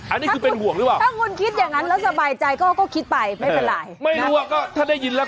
อันนี้คือเป็นห่วงหรือเปล่า